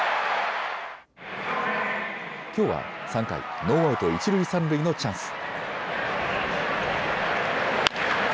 きょうは３回、ノーアウト一塁三塁のチャンス。